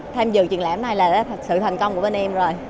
tham dự triển lãm này là sự thành công của bên em rồi